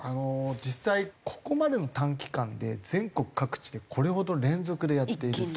実際ここまでの短期間で全国各地でこれほど連続でやっていると。